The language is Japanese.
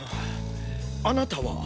あなたは？